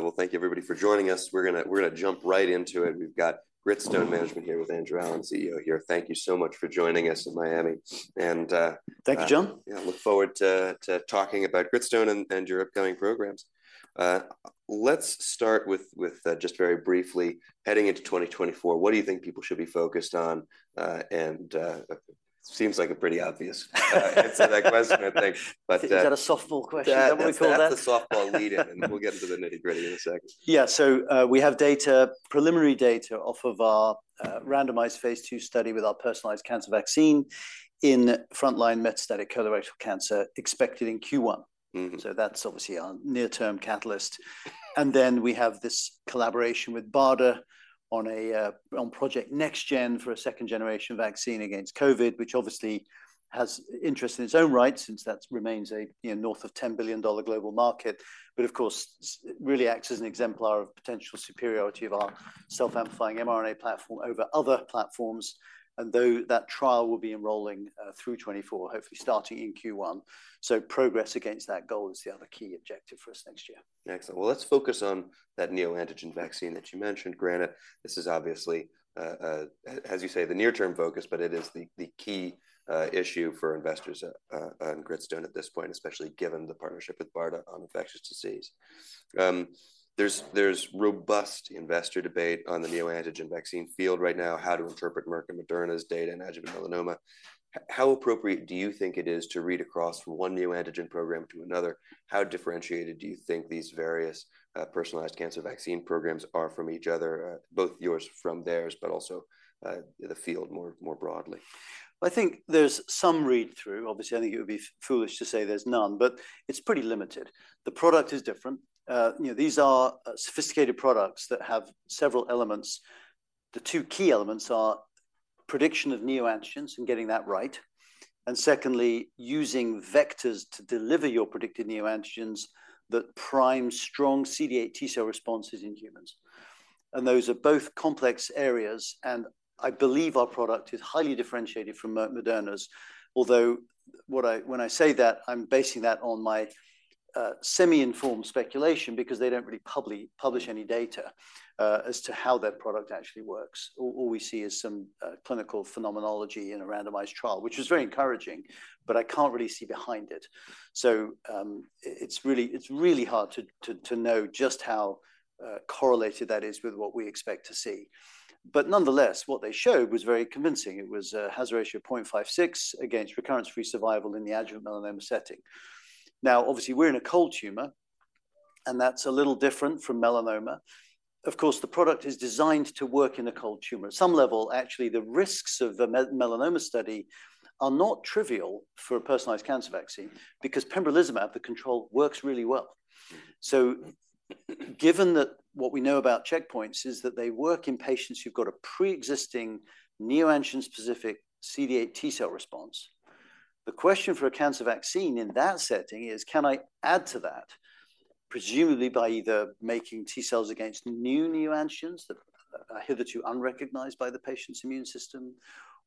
All right, well, thank you everybody for joining us. We're gonna, we're gonna jump right into it. We've got Gritstone management here, with Andrew Allen, CEO here. Thank you so much for joining us in Miami, and— Thank you, Jon. Yeah, look forward to talking about Gritstone and your upcoming programs. Let's start with just very briefly, heading into 2024, what do you think people should be focused on? And seems like a pretty obvious answer to that question, I think. But, Is that a softball question, don't we call that? That's a softball lead-in, and then we'll get into the nitty-gritty in a sec. Yeah, so, we have data, preliminary data off of our, randomized phase II study with our personalized cancer vaccine in frontline metastatic colorectal cancer, expected in Q1. So that's obviously our near-term catalyst. And then we have this collaboration with BARDA on a, on Project NextGen for a second-generation vaccine against COVID, which obviously has interest in its own right, since that remains a, you know, north of $10 billion global market. But of course, really acts as an exemplar of potential superiority of our self-amplifying mRNA platform over other platforms, and though that trial will be enrolling through 2024, hopefully starting in Q1. So progress against that goal is the other key objective for us next year. Excellent. Well, let's focus on that neoantigen vaccine that you mentioned. Granted, this is obviously, as you say, the near-term focus, but it is the key issue for investors on Gritstone at this point, especially given the partnership with BARDA on infectious disease. There's robust investor debate on the neoantigen vaccine field right now, how to interpret Merck and Moderna's data in adjuvant melanoma. How appropriate do you think it is to read across from one neoantigen program to another? How differentiated do you think these various personalized cancer vaccine programs are from each other, both yours from theirs, but also the field more broadly? I think there's some read-through. Obviously, I think it would be foolish to say there's none, but it's pretty limited. The product is different. You know, these are sophisticated products that have several elements. The two key elements are prediction of neoantigens and getting that right, and secondly, using vectors to deliver your predicted neoantigens that prime strong CD8 T cell responses in humans. And those are both complex areas, and I believe our product is highly differentiated from Merck-Moderna's. Although, when I say that, I'm basing that on my semi-informed speculation because they don't really publish any data as to how their product actually works. All we see is some clinical phenomenology in a randomized trial, which is very encouraging, but I can't really see behind it. So, it's really, it's really hard to know just how correlated that is with what we expect to see. But nonetheless, what they showed was very convincing. It was a hazard ratio of 0.56 against recurrence-free survival in the adjuvant melanoma setting. Now, obviously, we're in a cold tumor, and that's a little different from melanoma. Of course, the product is designed to work in a cold tumor. At some level, actually, the risks of the melanoma study are not trivial for a personalized cancer vaccine, because pembrolizumab, the control, works really well. So, given that what we know about checkpoints is that they work in patients who've got a preexisting neoantigen-specific CD8 T cell response, the question for a cancer vaccine in that setting is, can I add to that, presumably by either making T cells against new neoantigens that are hitherto unrecognized by the patient's immune system,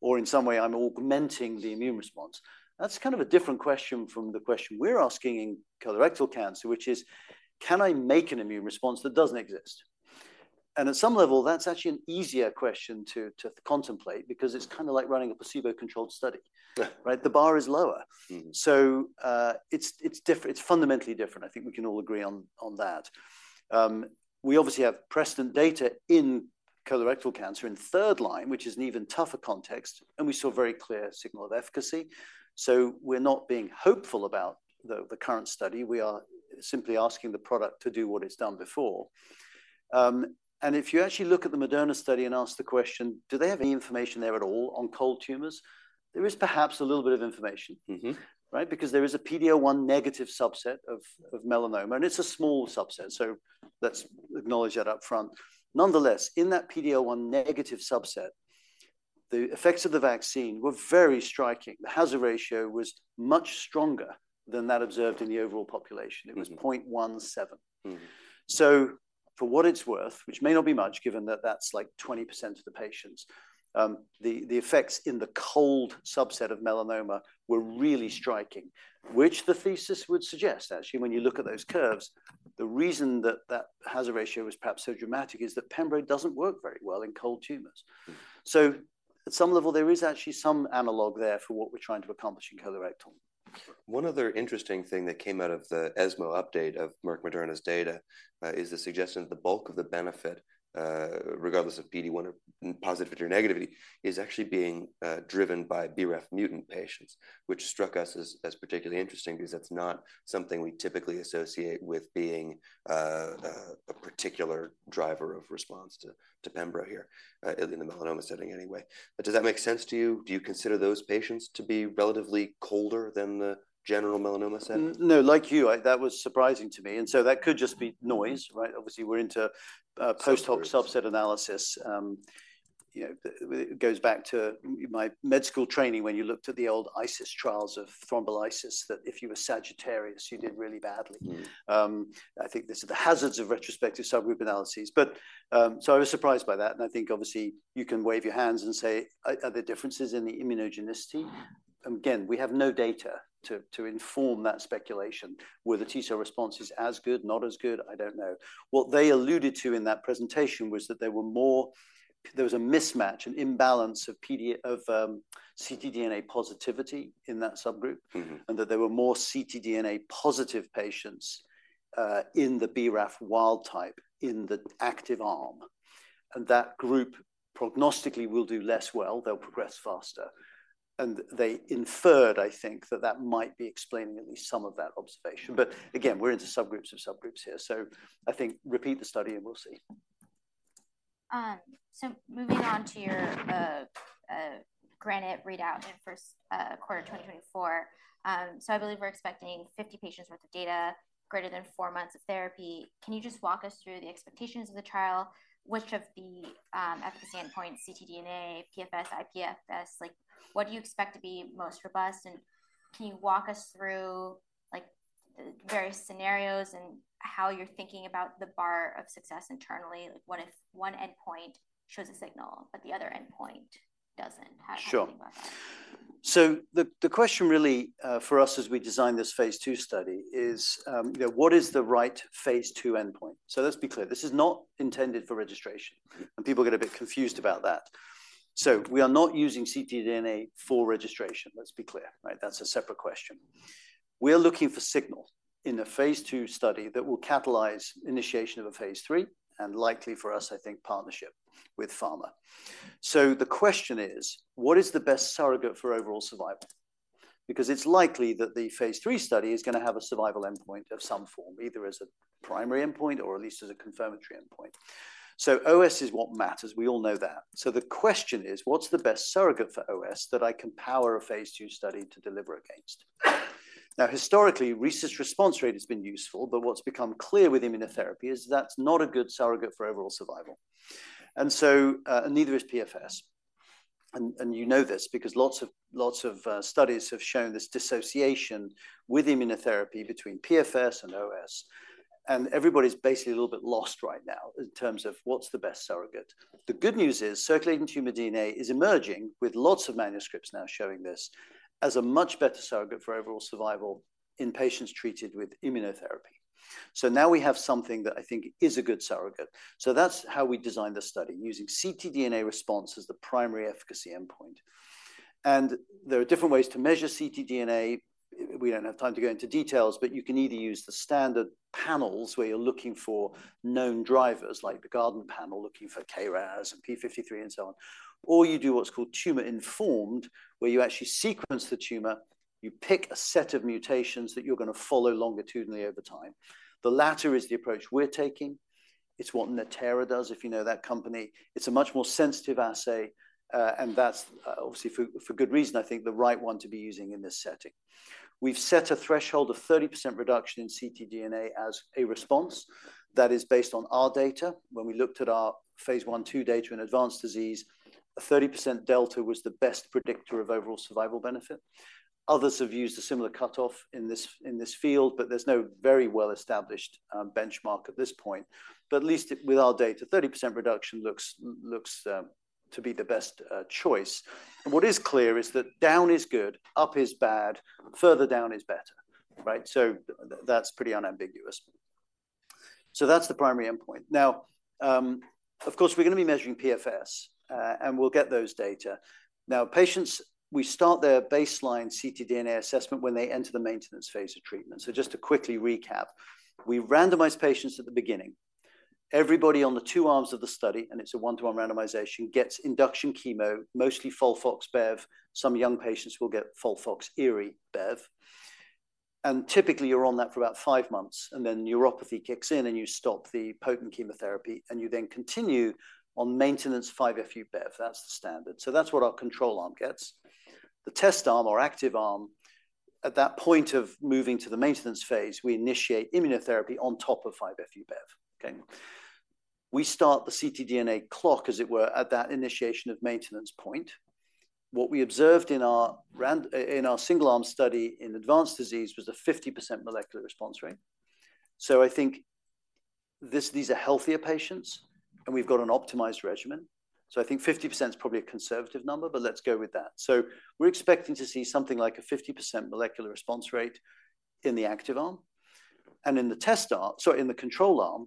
or in some way I'm augmenting the immune response? That's kind of a different question from the question we're asking in colorectal cancer, which is: Can I make an immune response that doesn't exist? And at some level, that's actually an easier question to contemplate because it's kinda like running a placebo-controlled study. Yeah. Right? The bar is lower. So, it's fundamentally different. I think we can all agree on that. We obviously have precedent data in colorectal cancer in third line, which is an even tougher context, and we saw a very clear signal of efficacy. So we're not being hopeful about the current study. We are simply asking the product to do what it's done before. And if you actually look at the Moderna study and ask the question: Do they have any information there at all on cold tumors? There is perhaps a little bit of information, right? Because there is a PD-L1 negative subset of melanoma, and it's a small subset, so let's acknowledge that up front. Nonetheless, in that PD-L1 negative subset, the effects of the vaccine were very striking. The hazard ratio was much stronger than that observed in the overall population. It was 0.17. So for what it's worth, which may not be much, given that that's, like, 20% of the patients, the effects in the cold subset of melanoma were really striking, which the thesis would suggest, actually, when you look at those curves, the reason that that hazard ratio was perhaps so dramatic is that pembro doesn't work very well in cold tumors. At some level, there is actually some analog there for what we're trying to accomplish in colorectal. One other interesting thing that came out of the ESMO update of Merck Moderna's data is the suggestion that the bulk of the benefit, regardless of PD-1 or positivity or negativity, is actually being driven by BRAF mutant patients, which struck us as particularly interesting because that's not something we typically associate with being a particular driver of response to pembro here in the melanoma setting anyway. But does that make sense to you? Do you consider those patients to be relatively colder than the general melanoma setting? No, like you, I that was surprising to me, and so that could just be noise, right? Obviously, we're into post-hoc subset analysis. You know, it goes back to my med school training, when you looked at the old ISIS trials of thrombolysis, that if you were Sagittarius, you did really badly. I think these are the hazards of retrospective subgroup analyses. But, so I was surprised by that, and I think obviously you can wave your hands and say, "Are there differences in the immunogenicity?" Again, we have no data to inform that speculation. Were the T cell responses as good, not as good? I don't know. What they alluded to in that presentation was that there were more—there was a mismatch, an imbalance of PD, of ctDNA positivity in that subgroup- and that there were more ctDNA-positive patients in the BRAF wild type, in the active arm. And that group, prognostically, will do less well, they'll progress faster. And they inferred, I think, that that might be explaining at least some of that observation. But again, we're into subgroups of subgroups here, so I think repeat the study and we'll see. So moving on to your GRANITE readout in the first quarter of 2024. So I believe we're expecting 50 patients worth of data, greater than four months of therapy. Can you just walk us through the expectations of the trial? Which of the efficacy endpoints, ctDNA, PFS, iPFS, like, what do you expect to be most robust? And can you walk us through, like, the various scenarios and how you're thinking about the bar of success internally? Like, what if one endpoint shows a signal, but the other endpoint doesn't have— Sure. Anything about that? So the question really for us as we design this phase II study is, you know, what is the right phase II endpoint? So let's be clear, this is not intended for registration, and people get a bit confused about that. So we are not using ctDNA for registration. Let's be clear, right? That's a separate question. We're looking for signal in a phase II study that will catalyze initiation of a phase III, and likely for us, I think, partnership with pharma. So the question is, what is the best surrogate for overall survival? Because it's likely that the phase III study is gonna have a survival endpoint of some form, either as a primary endpoint or at least as a confirmatory endpoint. So OS is what matters, we all know that. So the question is, what's the best surrogate for OS that I can power a phase II study to deliver against? Now, historically, objective response rate has been useful, but what's become clear with immunotherapy is that's not a good surrogate for overall survival. And so, and neither is PFS. And, and you know this because lots of, lots of, studies have shown this dissociation with immunotherapy between PFS and OS, and everybody's basically a little bit lost right now in terms of what's the best surrogate. The good news is, circulating tumor DNA is emerging, with lots of manuscripts now showing this, as a much better surrogate for overall survival in patients treated with immunotherapy. So now we have something that I think is a good surrogate. So that's how we designed this study, using ctDNA response as the primary efficacy endpoint. There are different ways to measure ctDNA. We don't have time to go into details, but you can either use the standard panels, where you're looking for known drivers, like the Guardant panel, looking for KRAS and P53 and so on. Or you do what's called tumor-informed, where you actually sequence the tumor, you pick a set of mutations that you're gonna follow longitudinally over time. The latter is the approach we're taking. It's what Natera does, if you know that company. It's a much more sensitive assay, and that's obviously for good reason, I think, the right one to be using in this setting. We've set a threshold of 30% reduction in ctDNA as a response. That is based on our data. When we looked at our phase I/II data in advanced disease, a 30% delta was the best predictor of overall survival benefit. Others have used a similar cutoff in this, in this field, but there's no very well-established benchmark at this point. But at least with our data, 30% reduction looks to be the best choice. And what is clear is that down is good, up is bad, further down is better, right? So that's pretty unambiguous. So that's the primary endpoint. Now, of course, we're gonna be measuring PFS, and we'll get those data. Now, patients, we start their baseline ctDNA assessment when they enter the maintenance phase of treatment. So just to quickly recap, we randomize patients at the beginning. Everybody on the two arms of the study, and it's a 1:1 randomization, gets induction chemo, mostly FOLFOX/bev. Some young patients will get FOLFOXIRI bev. Typically, you're on that for about five months, and then neuropathy kicks in, and you stop the potent chemotherapy, and you then continue on maintenance 5-FU bev. That's the standard. So that's what our control arm gets. The test arm or active arm, at that point of moving to the maintenance phase, we initiate immunotherapy on top of 5-FU bev, okay? We start the ctDNA clock, as it were, at that initiation of maintenance point. What we observed in our single-arm study in advanced disease was a 50% molecular response rate. So I think this, these are healthier patients, and we've got an optimized regimen. So I think 50% is probably a conservative number, but let's go with that. We're expecting to see something like a 50% molecular response rate in the active arm. In the test arm. Sorry, in the control arm,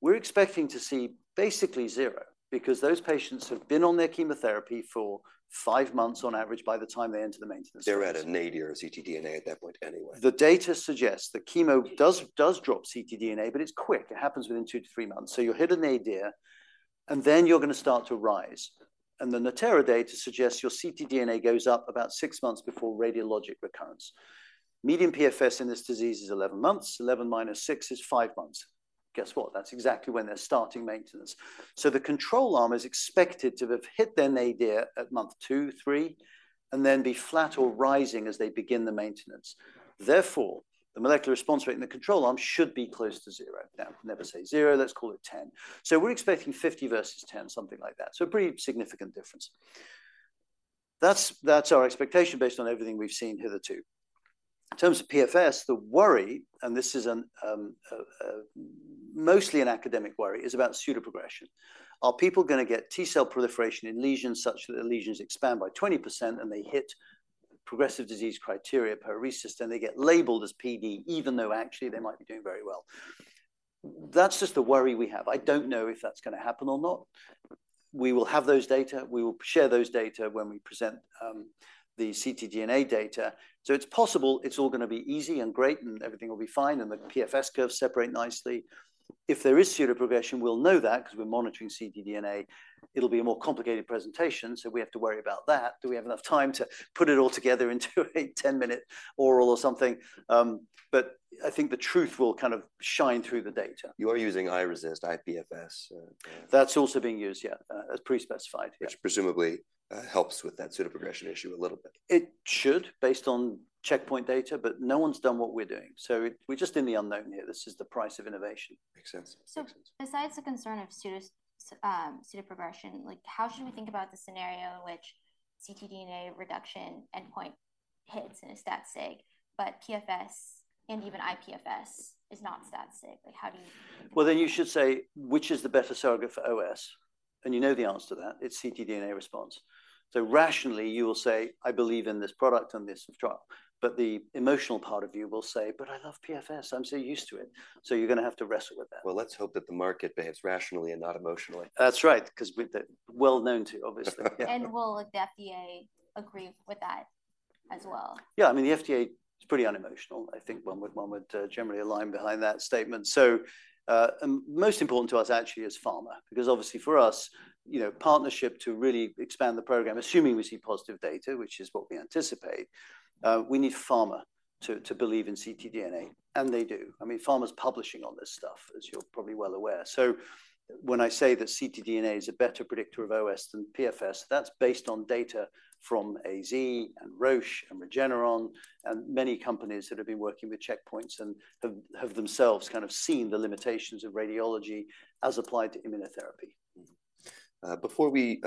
we're expecting to see basically zero because those patients have been on their chemotherapy for five months on average by the time they enter the maintenance. They're at a nadir of ctDNA at that point anyway. The data suggests that chemo does drop ctDNA, but it's quick. It happens within two-three months. So you'll hit a nadir, and then you're gonna start to rise. And the Natera data suggests your ctDNA goes up about 6 months before radiologic recurrence. Median PFS in this disease is 11 months. 11 minus six is five months. Guess what? That's exactly when they're starting maintenance. So the control arm is expected to have hit their nadir at month two, three, and then be flat or rising as they begin the maintenance. Therefore, the molecular response rate in the control arm should be close to zero. Now, never say zero. Let's call it 10. So we're expecting 50 versus 10, something like that. So a pretty significant difference. That's our expectation based on everything we've seen hitherto. In terms of PFS, the worry, and this is an mostly an academic worry, is about pseudoprogression. Are people gonna get T-cell proliferation in lesions such that the lesions expand by 20% and they hit progressive disease criteria per RECIST, and they get labeled as PD, even though actually they might be doing very well? That's just a worry we have. I don't know if that's gonna happen or not. We will have those data. We will share those data when we present, the ctDNA data. So it's possible it's all gonna be easy and great, and everything will be fine, and the PFS curves separate nicely. If there is pseudoprogression, we'll know that because we're monitoring ctDNA. It'll be a more complicated presentation, so we have to worry about that. Do we have enough time to put it all together into a 10-minute oral or something? But I think the truth will kind of shine through the data. You are using iRECIST, iPFS. That's also being used, yeah, as pre-specified, yeah. Which presumably helps with that pseudoprogression issue a little bit. It should, based on checkpoint data, but no one's done what we're doing. So we're just in the unknown here. This is the price of innovation. Makes sense. Makes sense. Besides the concern of pseudoprogression, like, how should we think about the scenario in which ctDNA reduction endpoint hits in a stat sig, but PFS and even iPFS is not stat sig? Like, how do you— Well, then you should say, which is the better surrogate for OS? And you know the answer to that. It's ctDNA response. So rationally, you will say, "I believe in this product on this trial", but the emotional part of you will say, "But I love PFS. I'm so used to it." So you're gonna have to wrestle with that. Well, let's hope that the market behaves rationally and not emotionally. That's right, 'cause we're well-known to, obviously. Will the FDA agree with that as well? Yeah, I mean, the FDA is pretty unemotional. I think one would generally align behind that statement. So, most important to us actually is pharma, because obviously for us, you know, partnership to really expand the program, assuming we see positive data, which is what we anticipate, we need pharma to believe in ctDNA, and they do. I mean, pharma's publishing on this stuff, as you're probably well aware. So when I say that ctDNA is a better predictor of OS than PFS, that's based on data from AZ and Roche and Regeneron and many companies that have been working with checkpoints and have themselves kind of seen the limitations of radiology as applied to immunotherapy. Before we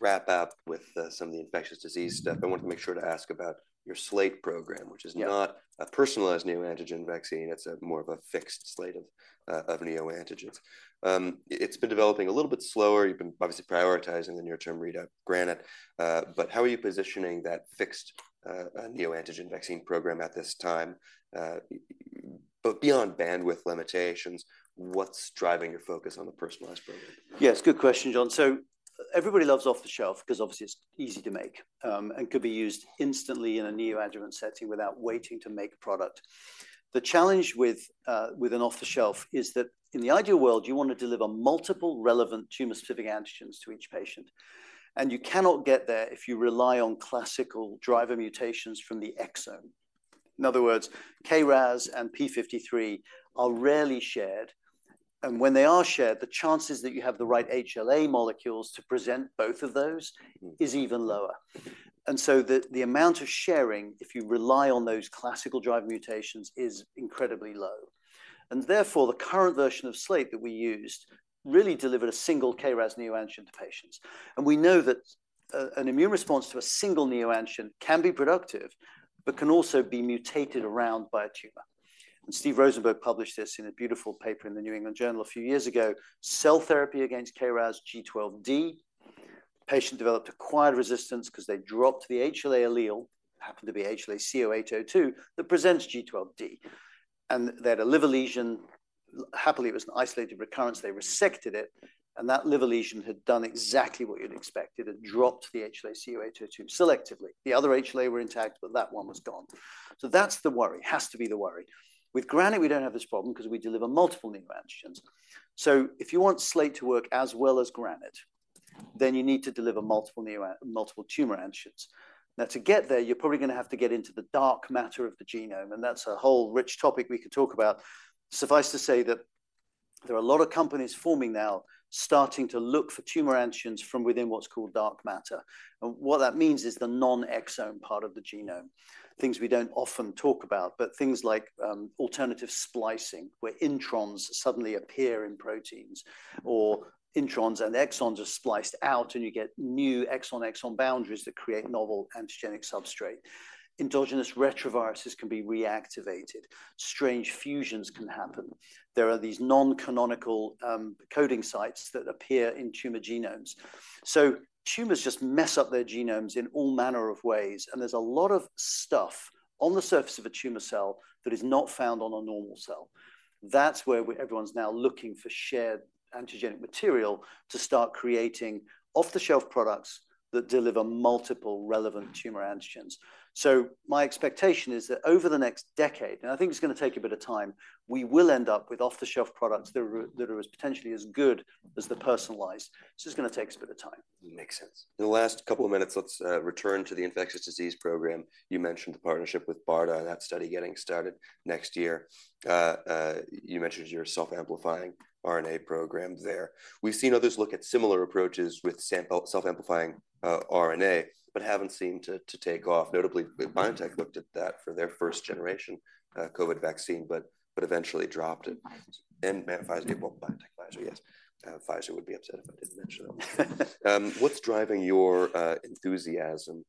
wrap up with some of the infectious disease stuff—I want to make sure to ask about your SLATE program, which is not— Yeah. A personalized neoantigen vaccine. It's a more of a fixed SLATE of, of neoantigens. It's been developing a little bit slower. You've been obviously prioritizing the near-term readout, GRANITE, but how are you positioning that fixed, neoantigen vaccine program at this time? But beyond bandwidth limitations, what's driving your focus on the personalized program? Yes, good question, Jon. So everybody loves off-the-shelf because obviously it's easy to make, and could be used instantly in a neoadjuvant setting without waiting to make product. The challenge with an off-the-shelf is that in the ideal world, you want to deliver multiple relevant tumor-specific antigens to each patient, and you cannot get there if you rely on classical driver mutations from the exome. In other words, KRAS and TP53 are rarely shared, and when they are shared, the chances that you have the right HLA molecules to present both of those is even lower. And so the amount of sharing, if you rely on those classical driver mutations, is incredibly low. And therefore, the current version of SLATE that we used really delivered a single KRAS neoantigen to patients. We know that an immune response to a single neoantigen can be productive, but can also be mutated around by a tumor. Steven Rosenberg published this in a beautiful paper in The New England Journal a few years ago. Cell therapy against KRAS G12D, patient developed acquired resistance because they dropped the HLA allele, happened to be HLA-C*08:02, that presents G12D. They had a liver lesion. Happily, it was an isolated recurrence. They resected it, and that liver lesion had done exactly what you'd expected. It dropped the HLA-C*08:02 selectively. The other HLA were intact, but that one was gone. So that's the worry, has to be the worry. With GRANITE, we don't have this problem because we deliver multiple neoantigens. So if you want SLATE to work as well as GRANITE, then you need to deliver multiple tumor antigens. Now, to get there, you're probably gonna have to get into the dark matter of the genome, and that's a whole rich topic we could talk about. Suffice to say that there are a lot of companies forming now, starting to look for tumor antigens from within what's called dark matter. And what that means is the non-exome part of the genome, things we don't often talk about, but things like, alternative splicing, where introns suddenly appear in proteins, or introns and exons are spliced out, and you get new exon, exon boundaries that create novel antigenic substrate. Endogenous retroviruses can be reactivated. Strange fusions can happen. There are these non-canonical, coding sites that appear in tumor genomes. So tumors just mess up their genomes in all manner of ways, and there's a lot of stuff on the surface of a tumor cell that is not found on a normal cell. That's where we—everyone's now looking for shared antigenic material to start creating off-the-shelf products that deliver multiple relevant tumor antigens. So my expectation is that over the next decade, and I think it's gonna take a bit of time, we will end up with off-the-shelf products that are, that are as potentially as good as the personalized. It's just gonna take us a bit of time. Makes sense. In the last couple of minutes, let's return to the infectious disease program. You mentioned the partnership with BARDA, that study getting started next year. You mentioned your self-amplifying RNA program there. We've seen others look at similar approaches with self-amplifying RNA, but haven't seemed to take off. Notably, BioNTech looked at that for their first-generation COVID vaccine, but eventually dropped it. And then Pfizer, well, BioNTech, Pfizer, yes. Pfizer would be upset if I didn't mention them. What's driving your enthusiasm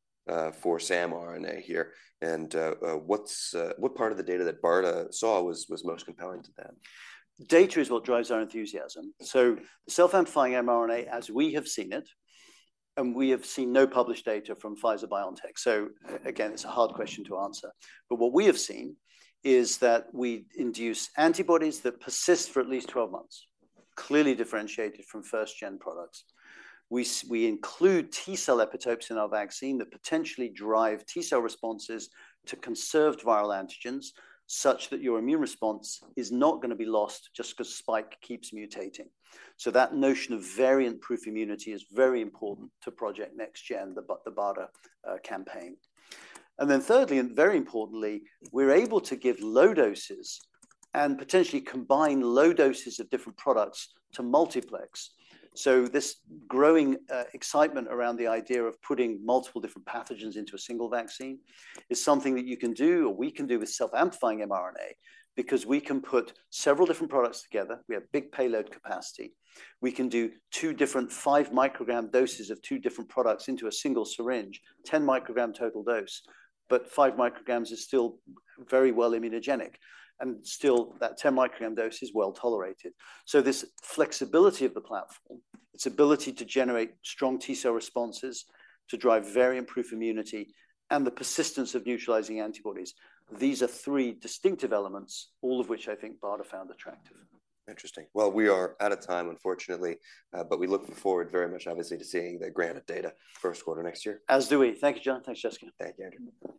for samRNA here? And what part of the data that BARDA saw was most compelling to them? Data is what drives our enthusiasm. Self-amplifying mRNA, as we have seen it, and we have seen no published data from Pfizer-BioNTech, so again, it's a hard question to answer. But what we have seen is that we induce antibodies that persist for at least 12 months, clearly differentiated from first-gen products. We include T-cell epitopes in our vaccine that potentially drive T-cell responses to conserved viral antigens, such that your immune response is not gonna be lost just because spike keeps mutating. That notion of variant-proof immunity is very important to Project NextGen, the BARDA campaign. And then thirdly, and very importantly, we're able to give low doses and potentially combine low doses of different products to multiplex. So this growing excitement around the idea of putting multiple different pathogens into a single vaccine is something that you can do, or we can do with self-amplifying mRNA, because we can put several different products together. We have big payload capacity. We can do two different 5-microgram doses of two different products into a single syringe, 10-microgram total dose, but 5 micrograms is still very well immunogenic, and still, that 10-microgram dose is well tolerated. So this flexibility of the platform, its ability to generate strong T-cell responses, to drive variant-proof immunity, and the persistence of neutralizing antibodies, these are three distinctive elements, all of which I think BARDA found attractive. Interesting. Well, we are out of time, unfortunately, but we're looking forward very much, obviously, to seeing the GRANITE data first quarter next year. As do we. Thank you, Jon. Thanks, Jessica. Thank you.